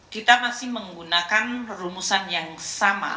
kita masih menggunakan rumusan yang sama